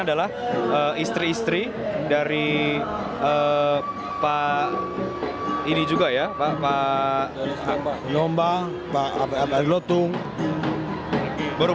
adalah istri istri dari pak ini juga ya pak pak apa nyoba pak abdelotung pak abdelotung pak abdelotung